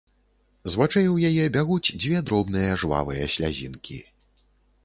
З вачэй у яе бягуць дзве дробныя жвавыя слязінкі.